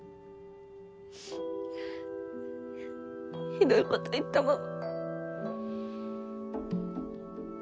ひどいこと言ったまま。